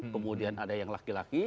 kemudian ada yang laki laki